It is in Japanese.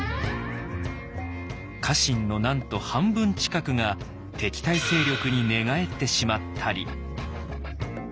家臣のなんと半分近くが敵対勢力に寝返ってしまったり。